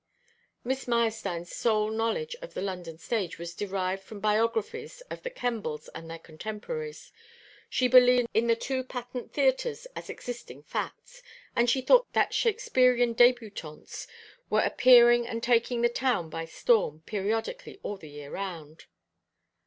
Miss Meyerstein's sole knowledge of the London stage was derived from biographies of the Kembles and their contemporaries. She believed in the two patent theatres as existing facts; and she thought that Shakespearean débutantes were appearing and taking the town by storm periodically all the year round.